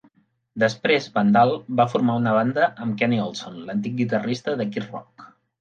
Després, Van Dahl va formar una banda amb Kenny Olson, l'antic guitarrista de Kid Rock.